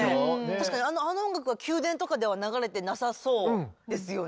確かにあの音楽は宮殿とかでは流れてなさそうですよね。